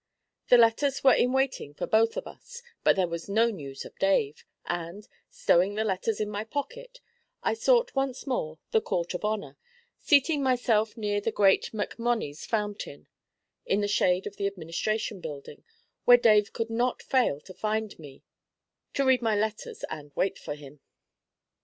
The letters were in waiting for both of us, but there was no news of Dave, and, stowing the letters in my pocket, I sought once more the Court of Honour; seating myself near the great MacMonnies Fountain, in the shade of the Administration Building, where Dave could not fail to find me, to read my letters and wait for him.